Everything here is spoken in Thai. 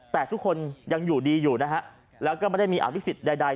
แต่ทุกคนยังอยู่ดีอยู่นะฮะแล้วก็ไม่ได้มีอภิษฎใด